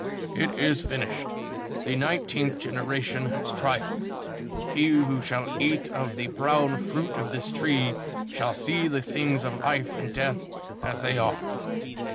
"It is finished. The nineteenth generation has triumphed. He who shall eat of the brown fruit of this tree, shall see the things of Life and Death as they are.